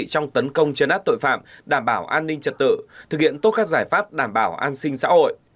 trong tấn công chấn áp tội phạm đảm bảo an ninh trật tự thực hiện tốt các giải pháp đảm bảo an sinh xã hội